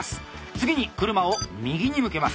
次に車を右に向けます。